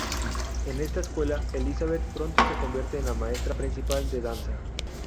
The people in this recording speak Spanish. En esta escuela, Elizabeth pronto se convierte en la maestra principal de danza.